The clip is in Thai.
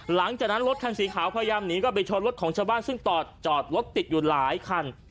หลังจากนั้นรถคันสีขาวพยายามหนีก็ไปชนรถของชาวบ้านซึ่งจอดจอดรถติดอยู่หลายคัน